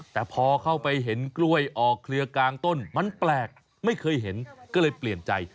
แต่พอเข้าไปเห็นกล้วยออกเครือกลางต้นมันแปลกไม่เคยเห็นก็เลยเปลี่ยนใจ